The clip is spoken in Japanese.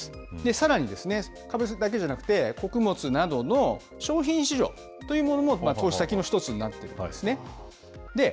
さらに、株だけじゃなくて、穀物などの商品市場というものも投資先の一つになっているんですね。